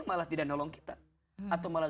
malah tidak nolong kita atau malah